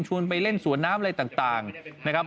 ไปเล่นสวนน้ำอะไรต่างนะครับ